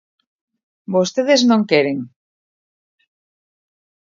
Vostedes non queren.